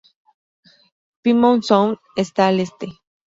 Plymouth Sound está al este.